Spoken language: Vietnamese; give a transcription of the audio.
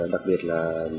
đặc biệt là